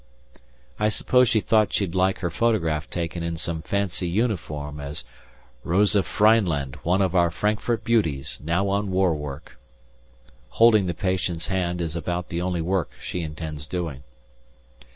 I suppose she thought she'd like her photograph taken in some fancy uniform as "Rosa Freinland, one of our Frankfurt beauties, now on war work!" Holding the patient's hand is about the only work she intends doing.